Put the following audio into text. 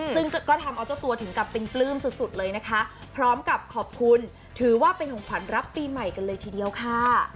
ซึ่งก็ทำเอาเจ้าตัวถึงกับเป็นปลื้มสุดเลยนะคะพร้อมกับขอบคุณถือว่าเป็นของขวัญรับปีใหม่กันเลยทีเดียวค่ะ